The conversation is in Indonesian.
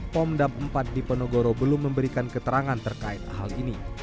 pomdam empat di penogoro belum memberikan keterangan terkait hal ini